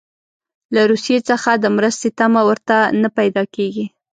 له روسیې څخه د مرستې تمه ورته نه پیدا کیږي.